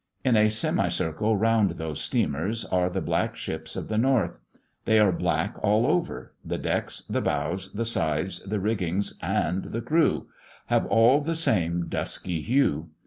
In a semi circle round those steamers are the black ships of the North. They are black all over; the decks, the bows, the sides, the rigging, and the crew, have all the same dusky hue.